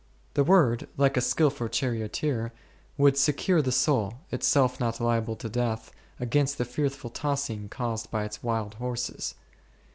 The Word, like a skilful charioteer, would secure the soul, itself not liable to death, against the fearful tossing caused by its wild horses.